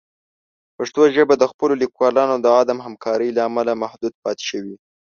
پښتو ژبه د خپلو لیکوالانو د عدم همکارۍ له امله محدود پاتې شوې.